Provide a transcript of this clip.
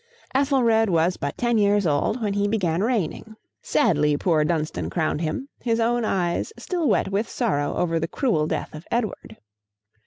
Ethelred was but ten years old when he began reigning. Sadly poor Dunstan crowned him, his own eyes still wet with sorrow over the cruel death of Edward.